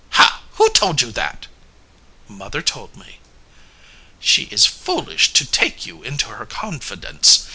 "Ha! who told you that?" "Mother told me." "She is foolish to take you into her confidence.